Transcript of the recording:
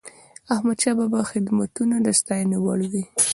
د احمدشاه بابا خدمتونه د ستايني وړ دي.